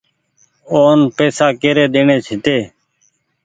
اون پئيسا ڪيري ڏيڻي هيتي۔